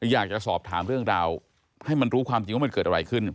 อยากจะสอบถามเรื่องราวให้มันรู้ความจริงว่ามันเกิดอะไรขึ้น